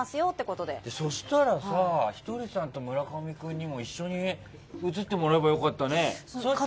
そうしたらさひとりさんと村上君にも一緒に映ってもらえば良かったね。